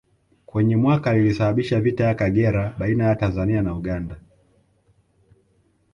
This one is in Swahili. Kwenye mwaka lilisababisha vita ya Kagera baina ya Tanzania na Uganda